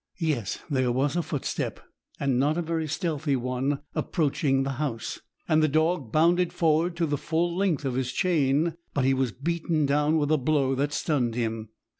Yes, there was a footstep, and not a very stealthy one, approaching the house, and the dog bounded forward to the full length of his chain, but he was beaten down with a blow that stunned him.